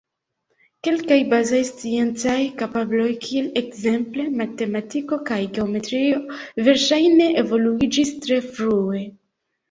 Kelkaj bazaj sciencaj kapabloj, kiel ekzemple matematiko kaj geometrio, verŝajne evoluiĝis tre frue.